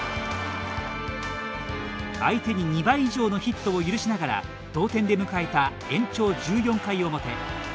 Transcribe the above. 相手に２倍以上のヒットを許しながら同点で迎えた延長１４回表。